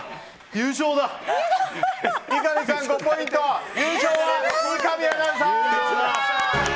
優勝は三上アナウンサー！